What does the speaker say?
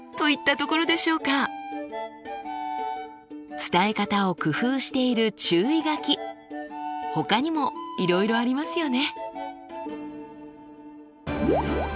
伝え方を工夫している注意書きほかにもいろいろありますよね。